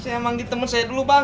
saya manggil temen saya dulu bang